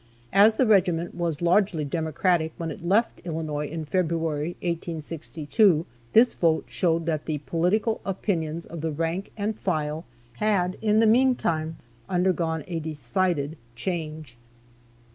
As the regiment was largely Democratic when it left Illinois in February, 1862, this vote showed that the political opinions of the rank and file had, in the meantime, undergone a decided change.